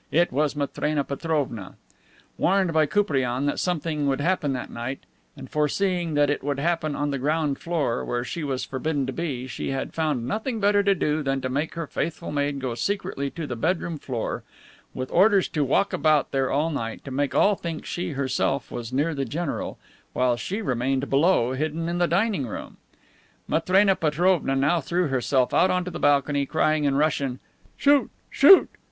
It was Matrena Petrovna. Warned by Koupriane that something would happen that night, and foreseeing that it would happen on the ground floor where she was forbidden to be, she had found nothing better to do than to make her faithful maid go secretly to the bedroom floor, with orders to walk about there all night, to make all think she herself was near the general, while she remained below, hidden in the dining room. Matrena Petrovna now threw herself out onto the balcony, crying in Russian, "Shoot! Shoot!"